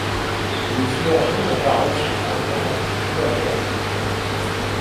Les fleurs jaunes apparaissent au printemps ou après la pluie.